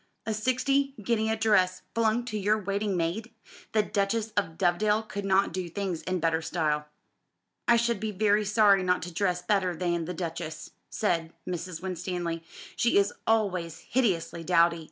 "A sixty guinea dress flung to your waiting maid! The Duchess of Dovedale could not do things in better style." "I should be very sorry not to dress better than the Duchess," said Mrs. Winstanley, "she is always hideously dowdy.